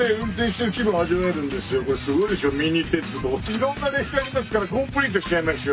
いろんな列車ありますからコンプリートしちゃいましょう。